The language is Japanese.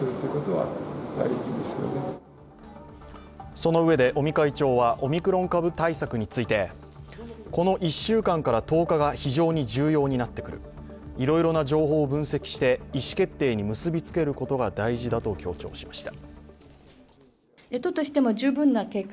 そのうえで尾身会長は、オミクロン株対策についてこの１週間から１０日が非常に重要になってくる、いろいろな情報を分析して意思決定に結びつけることが大事だと強調しました。